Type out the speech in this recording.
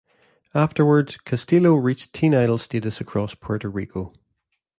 Afterwards, Castillo reached teen idol status across Puerto Rico.